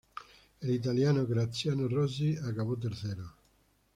El italiano Graziano Rossi acabó tercero.